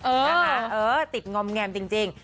เออติดงอมแงมจริง